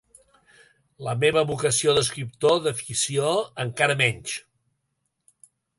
La meva vocació d'escriptor de ficció, encara menys.